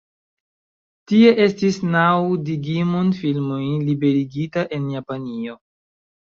Tie estis naŭ Digimon filmoj liberigita en Japanio.